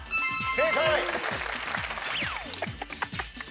正解！